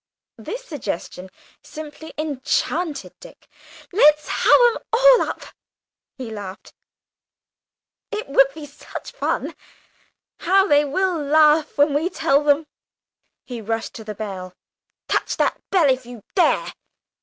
This suggestion simply enchanted Dick. "Let's have 'em all up," he laughed; "it would be such fun! How they will laugh when we tell them!" And he rushed to the bell. "Touch that bell if you dare!"